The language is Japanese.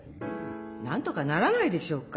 なんとかならないでしょうか。